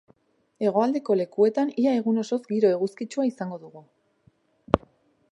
Hegoaldeko lekuetan ia egun osoz giro eguzkitsua izango dugu.